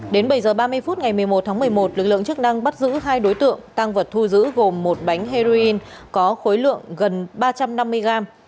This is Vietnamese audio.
đến bảy h ba mươi phút ngày một mươi một tháng một mươi một lực lượng chức năng bắt giữ hai đối tượng tăng vật thu giữ gồm một bánh heroin có khối lượng gần ba trăm năm mươi gram